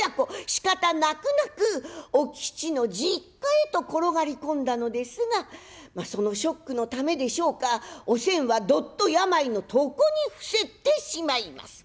しかたなくなくお吉の実家へと転がり込んだのですがそのショックのためでしょうかおせんはどっと病の床に伏せってしまいます。